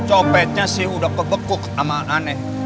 copetnya sih udah kebekuk sama aneh